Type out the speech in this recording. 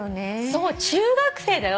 そう中学生だよ。